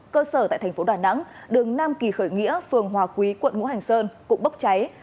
cơ sở tại thành phố đà nẵng đường nam kỳ khởi nghĩa phường hòa quý quận ngũ hành sơn cũng bốc cháy